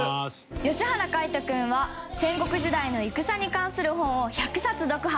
吉原海人君は戦国時代の戦に関する本を１００冊読破。